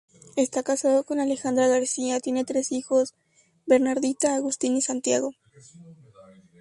Está casado con Alejandra García, tiene tres hijos: Bernardita, Agustín y Santiago.